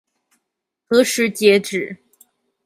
何時截止？